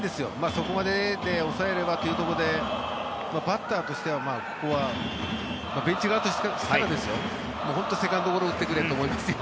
そこまでで抑えればというところでバッターとしてはここはベンチ側としては本当に、セカンドゴロを打ってくれと思いますよ。